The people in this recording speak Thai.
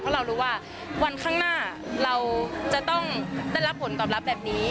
เพราะเรารู้ว่าวันข้างหน้าเราจะต้องได้รับผลตอบรับแบบนี้